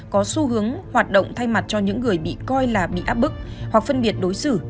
có xu hướng hoạt động thay mặt cho những người bị coi là bị áp bức hoặc phân biệt đối xử